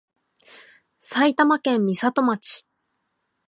埼玉県美里町